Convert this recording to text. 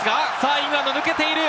イングランド抜けている！